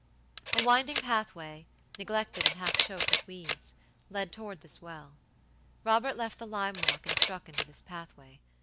A winding pathway, neglected and half choked with weeds, led toward this well. Robert left the lime walk, and struck into this pathway.